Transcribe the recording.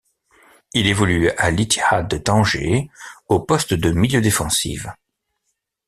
Il évolue à l'Ittihad de Tanger au poste de milieu défensif.